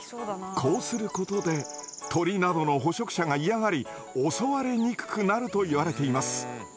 こうすることで鳥などの捕食者が嫌がり襲われにくくなるといわれています。